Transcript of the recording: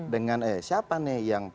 dengan siapa nih yang